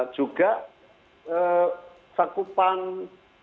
juga sakupan layanan publiknya